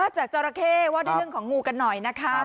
จากจอระเขวาได้เรื่องของงูกันหน่อยนะคะ